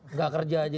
enggak kerja aja